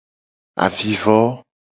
Avivo.